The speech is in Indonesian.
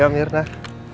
ya mir dah